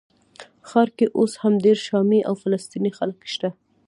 ښار کې اوس هم ډېر شامي او فلسطیني خلک شته.